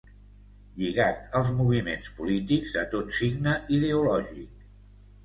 Lligat als moviments polítics de tot signe ideològic.